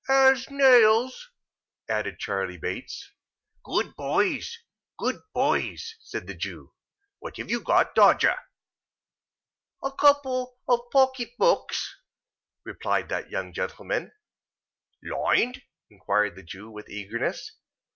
"As nails," added Charley Bates. "Good boys, good boys!" said the Jew. "What have you got, Dodger?" "A couple of pocket books," replied that young gentlman. "Lined?" inquired the Jew, with eagerness.